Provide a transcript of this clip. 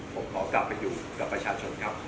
ผมขอกลับไปอยู่กับประชาชนครับ